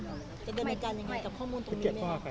จะดำเนินการยังไงกับข้อมูลตรงนี้ไหมครับ